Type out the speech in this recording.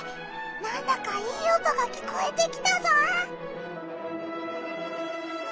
なんだかいい音が聞こえてきたぞ！